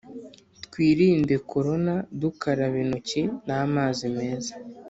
Twirinde corona dukaraba inoki n’amazi meza